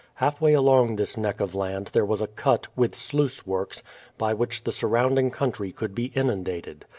Halfway along this neck of land there was a cut, with sluice works, by which the surrounding country could be inundated.